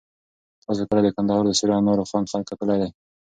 تاسو کله د کندهار د سرو انار خوند کتلی دی؟